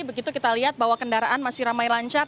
begitu kita lihat bahwa kendaraan masih ramai lancar